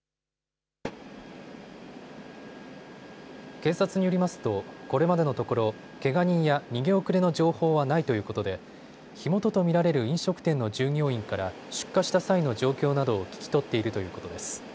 警察によりますと、これまでのところけが人や逃げ遅れの情報はないということで火元と見られる飲食店の従業員から出火した際の状況などを聞き取っているということです。